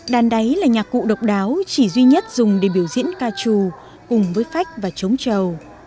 đàn đáy là nhạc cụ độc đáo chỉ duy nhất dùng để biểu diễn ca trù cùng với phách và trống trầu